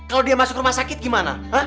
kalau dia masuk rumah sakit gimana